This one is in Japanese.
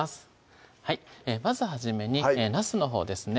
まず初めになすのほうですね